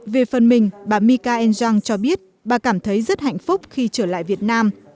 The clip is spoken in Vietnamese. về phần mình bà michael zhang cho biết bà cảm thấy rất hạnh phúc khi trở lại việt nam